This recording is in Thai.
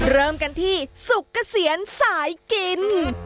เริ่มกันที่สุกเกษียณสายกิน